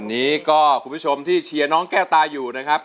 วันนี้ก็คุณผู้ชมที่เชียร์น้องแก้วตาอยู่นะครับ